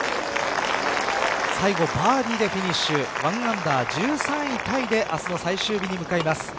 最後バーディーでフィニッシュ１アンダー１３位タイで明日の最終日に向かいます。